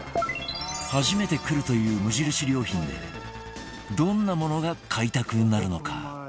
初めて来るという無印良品でどんなものが買いたくなるのか？